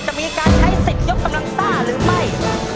จะมีการใช้๑๐ยกตำรังสร้างหรือไม่